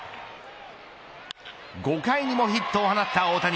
５回にもヒットを放った大谷。